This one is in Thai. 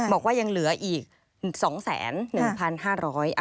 บอกว่ายังเหลืออีกสองแสนหนึ่งพันห้าร้อย